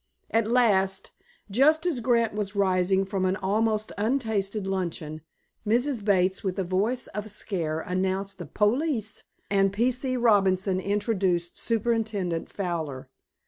At last, just as Grant was rising from an almost untasted luncheon, Mrs. Bates, with a voice of scare, announced "the polis," and P. C. Robinson introduced Superintendent Fowler.